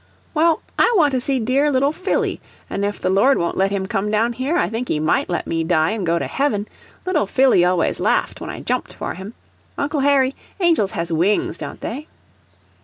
"Well, I want to see dear little Phillie, an' if the Lord won't let him come down here, I think he might let me die an' go to heaven. Little Phillie always laughed when I jumped for him. Uncle Harry, angels has wings, don't they?"